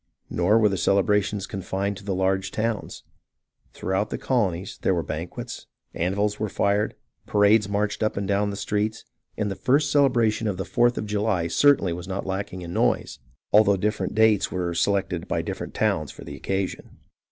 Nor were the celebrations confined to the large towns. Throughout the colonies there were banquets, anvils were fired, parades marched up and down the streets, and the first celebration of the Fourth of July certainly was not lacking in noise, although different dates were selected by different towns for the occasion.